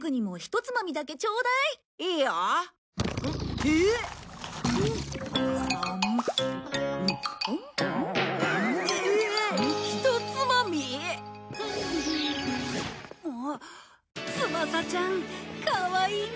つばさちゃんかわいいなあ。